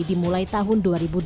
dimulai tahun dua ribu dua puluh